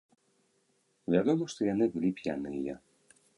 Вядома, што яны былі п'яныя.